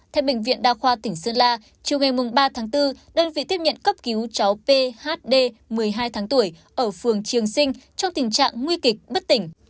theo bệnh viện đa khoa tỉnh sơn la chiều ngày ba tháng bốn đơn vị tiếp nhận cấp cứu cháu phd một mươi hai tháng tuổi ở phường triềng sinh trong tình trạng nguy kịch bất tỉnh